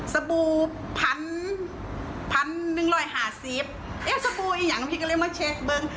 บู่พันพันหนึ่งร้อยห้าสิบเอ็มสบู่อีกอย่างพี่ก็เลยมาเช็คเบิ้ง